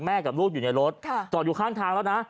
กับลูกอยู่ในรถจอดอยู่ข้างทางแล้วนะ